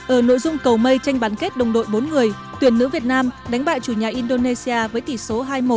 ở nội dung cầu mây tranh bán kết đồng đội bốn người tuyển nữ việt nam đánh bại chủ nhà indonesia với tỷ số hai một